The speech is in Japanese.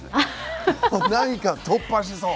何か突破しそう！